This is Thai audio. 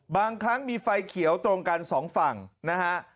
บางครั้งมีไฟเขียวตรงกันสองฝั่งนะฮะ